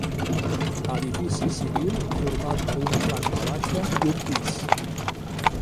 Edifici civil format per una planta baixa i un pis.